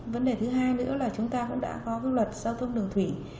vấn đề thứ hai nữa là chúng ta cũng đã có luật giao thông đường thủy